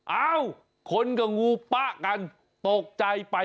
เอ้าคนกับงูปะกันตกใจไป